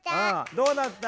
どうだった？